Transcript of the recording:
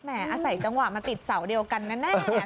อาศัยจังหวะมาติดเสาเดียวกันแน่